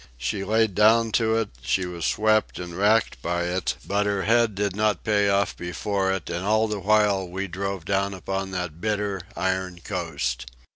She lay down to it; she was swept and racked by it; but her head did not pay off before it, and all the while we drove down upon that bitter, iron coast.